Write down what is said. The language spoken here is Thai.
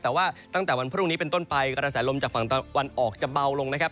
แต่ว่าตั้งแต่วันพรุ่งนี้เป็นต้นไปกระแสลมจากฝั่งตะวันออกจะเบาลงนะครับ